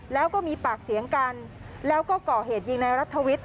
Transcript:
แล้วก็มีปากเสียงกันแล้วก็ก่อเหตุยิงในรัฐวิทย